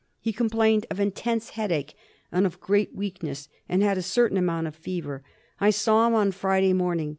He com plained of intense headache and of great weakness, and had a certain amount of fever. I saw him on Friday morning.